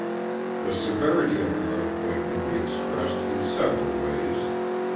_] The severity of an earthquake can be expressed in several ways.